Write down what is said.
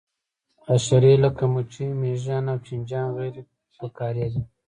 حشرې لکه مچۍ مېږیان او چینجیان غیر فقاریه دي